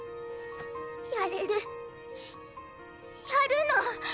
やれるやるの！